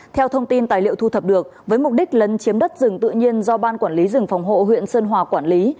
theo thông tin tài liệu thu thập được với mục đích lấn chiếm đất rừng tự nhiên do ban quản lý rừng phòng hộ huyện sơn hòa quản lý